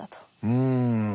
うん。